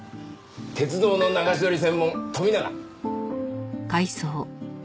鉄道の流し撮り専門富永。